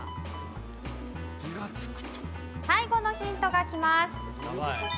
最後のヒントがきます。